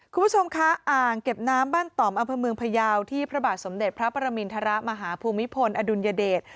คุณผู้ชมคะอ่างเก็บน้ำบ้านต่อมอำเภอเมืองพยาวที่พระบาทสมเด็จพระประมินทรมาหาภูมิพลอดุลยเดช